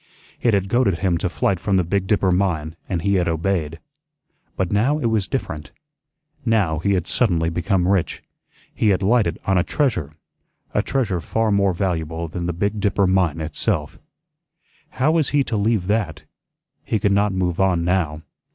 It had goaded him to flight from the Big Dipper mine, and he had obeyed. But now it was different; now he had suddenly become rich; he had lighted on a treasure a treasure far more valuable than the Big Dipper mine itself. How was he to leave that? He could not move on now.